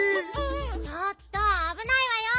ちょっとあぶないわよ。